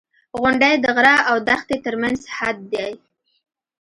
• غونډۍ د غره او دښتې ترمنځ حد دی.